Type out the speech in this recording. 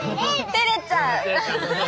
てれちゃう。